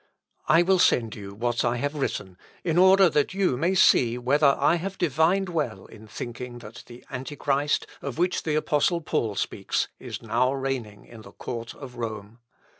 I will send you what I have written, in order that you may see whether I have divined well in thinking that the Antichrist of which the Apostle Paul speaks is now reigning in the court of Rome.